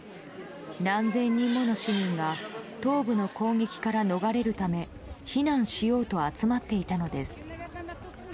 何千人もの市民が東部の攻撃から逃れるため避難しようと集まっていたのです。